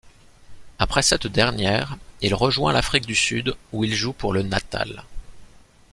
Après cette dernière, il rejoint l'Afrique du Sud où il joue pour le Natal.